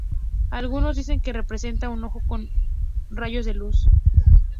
Algunos dicen que representa un ojo con rayos de luz.